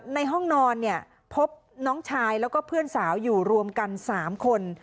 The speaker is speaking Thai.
ในห้องนอนเนี่ยพบน้องชายแล้วก็เพื่อนสาวอยู่รวมกัน๓คน